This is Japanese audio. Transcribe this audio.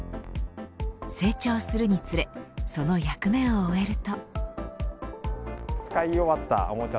成長するにつれその役目を終えると。